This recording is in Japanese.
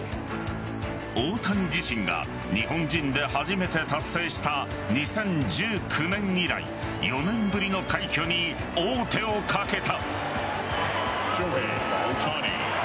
大谷自身が日本人で初めて達成した２０１９年以来４年ぶりの快挙に王手をかけた。